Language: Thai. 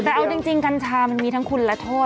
แต่เอาจริงกัญชามันมีทั้งคุณและโทษ